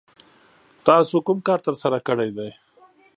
تاسو کوم کار ترسره کړی دی؟